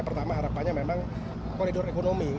pertama harapannya memang koridor ekonomi